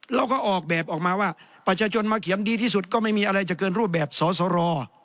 แล้วก็ออกแบบออกมาว่าประชาชนมาเขียนดีที่สุดก็ไม่มีอะไรจะเกินรูปแบบสสร